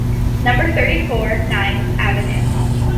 Number thirty-four, Nîmes avenue.